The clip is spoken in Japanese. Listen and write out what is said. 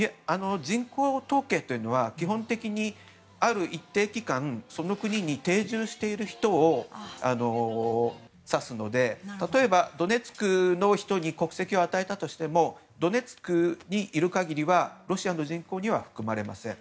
人口統計というのは基本的にある一定期間その国に定住している人を指すので例えばドネツクの人に国籍を与えたとしてもドネツクにいる限りはロシアの人口には含まれません。